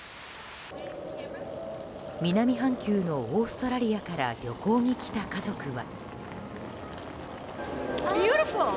南半球のオーストラリアから旅行に来た家族は。